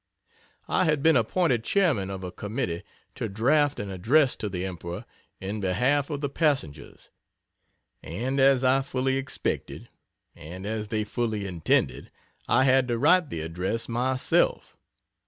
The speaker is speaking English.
I had been appointed chairman of a committee to draught an address to the Emperor in behalf of the passengers, and as I fully expected, and as they fully intended, I had to write the address myself.